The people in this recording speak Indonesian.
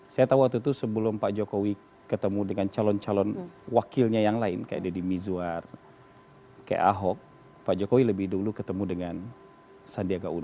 saya tahu waktu itu sebelum pak jokowi ketemu dengan calon calon wakilnya yang lain kayak deddy mizwar kayak ahok pak jokowi lebih dulu ketemu dengan sandiaga uno